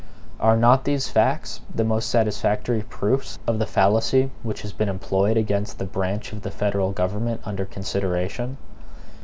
Are not these facts the most satisfactory proofs of the fallacy which has been employed against the branch of the federal government under consideration?